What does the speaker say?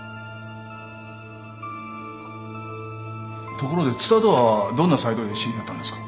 ところで蔦とはどんなサイトで知り合ったんですか？